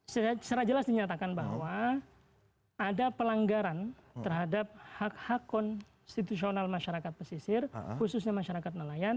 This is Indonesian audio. secara jelas dinyatakan bahwa ada pelanggaran terhadap hak hak konstitusional masyarakat pesisir khususnya masyarakat nelayan